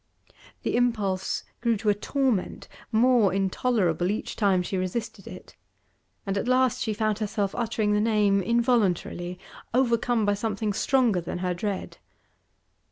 The impulse grew to a torment, more intolerable each time she resisted it. And at last she found herself uttering the name involuntarily, overcome by something stronger than her dread.